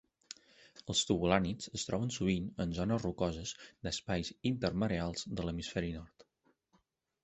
Els tubulànids es troben sovint en zones rocoses d'espais intermareals de l'hemisferi nord.